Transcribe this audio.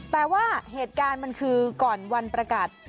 แต่ว่าเหตุการณ์มันคือก่อนวันประกาศ